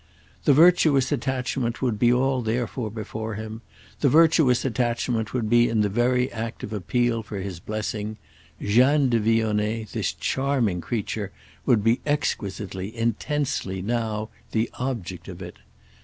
The virtuous attachment would be all there before him; the virtuous attachment would be in the very act of appeal for his blessing; Jeanne de Vionnet, this charming creature, would be exquisitely, intensely now—the object of it.